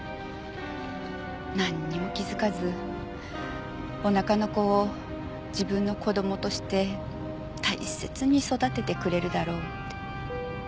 なんにも気づかずお腹の子を自分の子供として大切に育ててくれるだろうって。